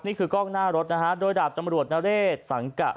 นี่คือกล้องรถนะฮะโดยดับตำรวจนเรชสำกะสังกัด